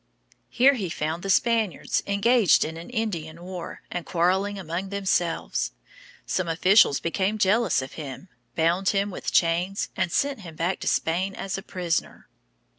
Here he found the Spaniards engaged in an Indian war, and quarreling among themselves. Some officials became jealous of him, bound him with chains, and sent him back to Spain a prisoner.